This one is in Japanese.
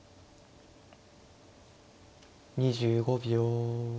２５秒。